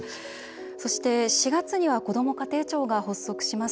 そして４月にはこども家庭庁が発足します。